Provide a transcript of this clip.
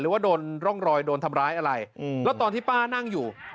ว่าโดนร่องรอยโดนทำร้ายอะไรแล้วตอนที่ป้านั่งอยู่